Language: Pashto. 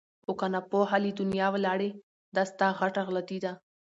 خو که ناپوه له دنیا ولاړې دا ستا غټه غلطي ده!